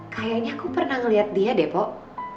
kayaknya aku pernah ngeliat dia deh pok